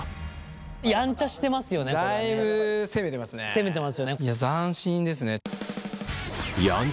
攻めてますよね。